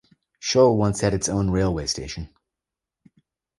Schull once had its own railway station.